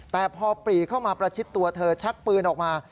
แต่พอปรีเข้ามาประชิดตัวเธอชักปืนออกมา